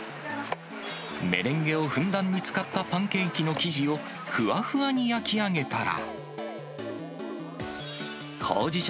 メレンゲをふんだんに使ったパンケーキの生地をふわふわに焼き上げたら、ほうじ茶